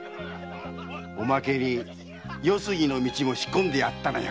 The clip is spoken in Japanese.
おまけに世過ぎの途も仕込んでやったのよ。